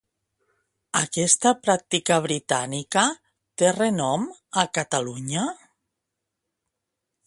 Aquesta pràctica britànica té renom, a Catalunya?